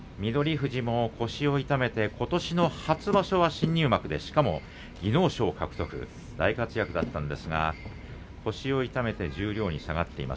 富士も腰を痛めてことしの初場所は新入幕でしかも技能賞を獲得大活躍だったんですが腰を痛めて十両に下がっています。